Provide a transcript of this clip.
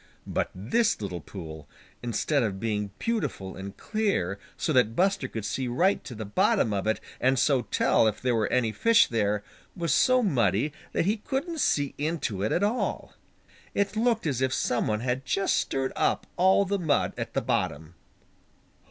But this little pool, instead of being beautiful and clear so that Buster could see right to the bottom of it and so tell if there were any fish there, was so muddy that he couldn't see into it at all. It looked as if some one had just stirred up all the mud at the bottom.